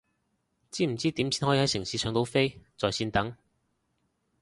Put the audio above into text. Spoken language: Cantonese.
知唔知點先可以係城市到搶到飛在線等？